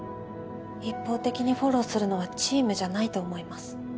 一方的にフォローするのはチームじゃないと思います。